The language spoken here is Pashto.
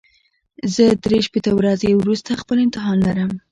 زه درې شپېته ورځې وروسته خپل امتحان لرم.